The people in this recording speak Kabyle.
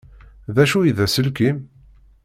D acu i d aselkim?